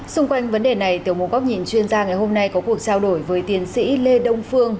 xung quanh vấn đề này tiểu môn góp nhìn chuyên gia ngày hôm nay có cuộc giao đổi với tiến sĩ lê đông phương